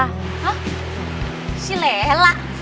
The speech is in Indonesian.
hah si lela